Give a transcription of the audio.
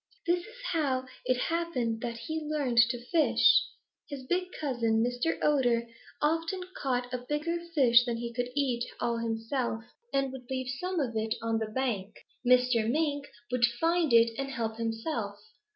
This is how it happens that he learned to like fish. His big cousin, Mr. Otter, often caught a bigger fish than he could eat all himself and would leave some of it on the bank. Mr. Mink would find it and help himself.